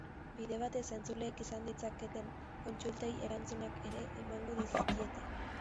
Bide batez, entzuleek izan ditzaketen kontsultei erantzunak ere emango dizkiete.